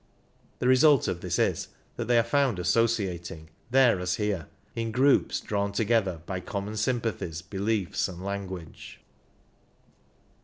The result of this is that 2 i8 they are found associating, there as here, in groups drawn together by common sympathies, beliefs, and language.